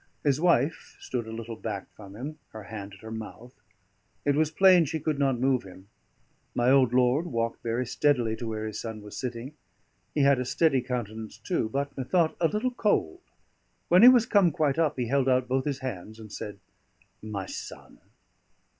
His wife stood a little back from him, her hand at her mouth; it was plain she could not move him. My old lord walked very steadily to where his son was sitting; he had a steady countenance, too, but methought a little cold. When he was come quite up, he held out both his hands and said, "My son!"